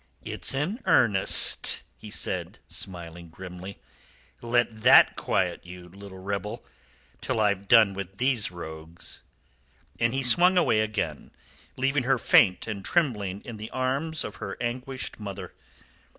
"It's an earnest," he said, smiling grimly. "Let that quiet you, little rebel, till I've done with these rogues." And he swung away again, leaving her faint and trembling in the arms of her anguished mother.